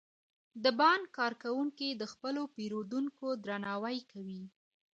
د بانک کارکوونکي د خپلو پیرودونکو درناوی کوي.